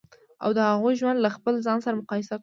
او د هغوی ژوند له خپل ځان سره مقایسه کړو.